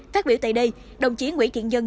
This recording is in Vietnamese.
phát biểu tại đây đồng chí nguyễn thiện nhân